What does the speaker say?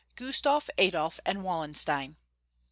GUSTAF ADOLF AND WALLENSTEIN.